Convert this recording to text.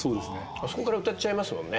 あそこから歌っちゃいますもんね。